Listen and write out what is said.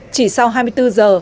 chỉ sau hai mươi bốn giờ